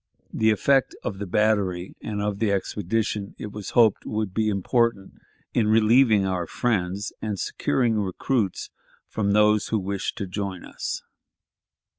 The effect of the battery and of the expedition, it was hoped, would be important in relieving our friends and securing recruits from those who wished to join us.